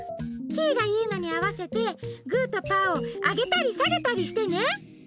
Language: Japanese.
キイがいうのにあわせてグーとパーをあげたりさげたりしてね。